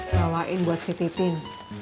bawain buat si titin